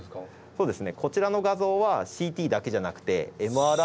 そうですね。